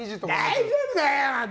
大丈夫だよ！